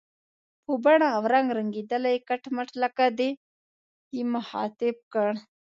په بڼه او رنګ رنګېدلی، کټ مټ لکه دی، مخاطب کړ.